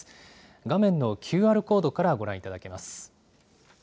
画面のＱＲコードからご覧いただけます。